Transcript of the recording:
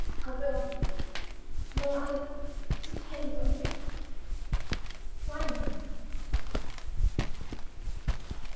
"I will!" "May I depend on you?" "Try me!"